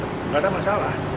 gak ada masalah